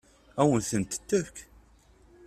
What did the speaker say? Ad wen-tent-tefk?